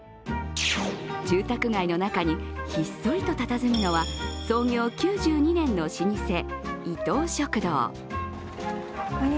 住宅街の中にひっそりとたたずむのは創業９２年の老舗、伊東食堂。